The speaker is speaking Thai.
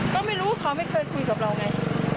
ก็ไม่รู้เขาไม่เคยคุยกับเราไง